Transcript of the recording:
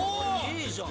いいじゃん！